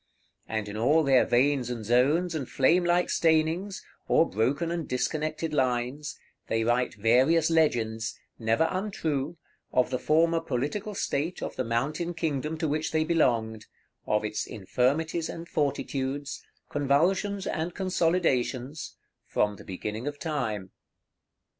And in all their veins and zones, and flame like stainings, or broken and disconnected lines, they write various legends, never untrue, of the former political state of the mountain kingdom to which they belonged, of its infirmities and fortitudes, convulsions and consolidations, from the beginning of time.